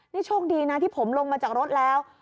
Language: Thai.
นี่โชคดีนะที่ผมลงมาจากรถแล้ว